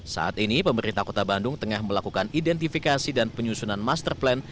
saat ini pemerintah kota bandung tengah melakukan identifikasi dan penyusunan master plan